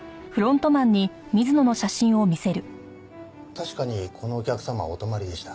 確かにこのお客様はお泊まりでした。